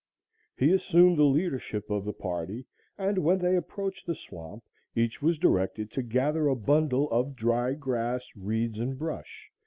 He assumed the leadership of the party, and when they approached the swamp, each was directed to gather a bundle of dry grass, reeds and brush.